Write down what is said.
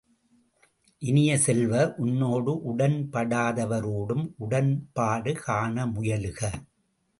இனிய செல்வ, உன்னோடு உடன்படாதவரோடும் உடன்பாடு காண முயலுக!